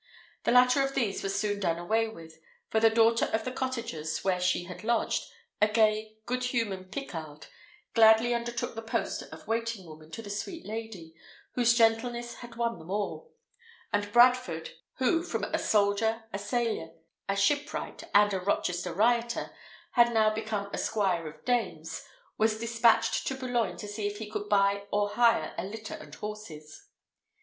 The latter of these was soon done away with; for the daughter of the cottagers where she had lodged, a gay, good humoured Picarde, gladly undertook the post of waiting woman to the sweet lady, whose gentleness had won them all; and Bradford, who, from a soldier, a sailor, a shipwright, and a Rochester rioter, had now become a squire of dames, was despatched to Boulogne to see if he could buy or hire a litter and horses.